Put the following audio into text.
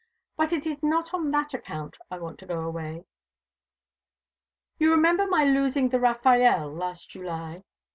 "But it is not on that account I want to go away. You remember my losing the Raffaelle last July?"